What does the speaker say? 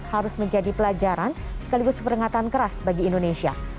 harus menjadi pelajaran sekaligus peringatan keras bagi indonesia